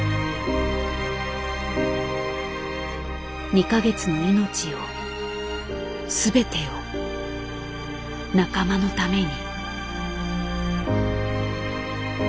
２か月の命を全てを仲間のために。